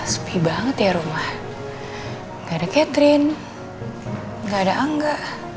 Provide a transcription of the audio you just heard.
sepi banget ya rumah gak ada catherine gak ada angga